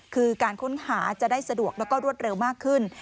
คือการค้นหาจะได้สะดวกแล้วก็รวดเร็วมากขึ้น